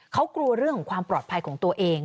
เขากลัวเรื่องของความปลอดภัยของตัวเอง